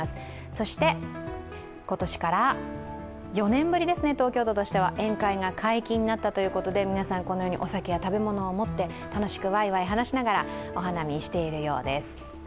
そして今年から４年ぶりですね、東京都としては宴会が解禁になったということで皆さんこのようにお酒や食べ物を持って楽しくわいわい話ながらお花見をしているようです。